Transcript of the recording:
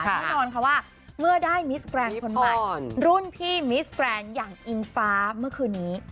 แน่นอนค่ะว่าเมื่อได้มิสแกรนด์คนใหม่รุ่นพี่มิสแกรนด์อย่างอิงฟ้าเมื่อคืนนี้